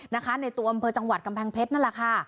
ในตัวอำเภอจังหวัดกำแพงเพชรนั่นแหละค่ะ